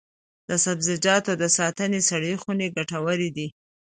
د سبزیجاتو د ساتنې سړې خونې ګټورې دي.